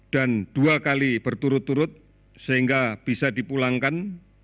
dan dua kali berturut turut sehingga bisa dipulangkan